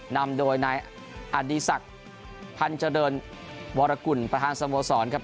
นำโดยนายอดีศักดิ์พันธ์เจริญวรกุลประธานสโมสรครับ